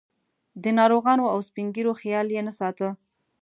د ناروغانو او سپین ږیرو خیال یې نه ساته.